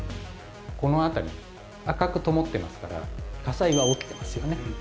この辺り赤くともってますから火災が起きてますよね。